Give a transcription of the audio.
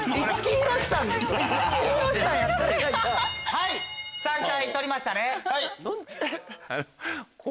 はい３回撮りましたね。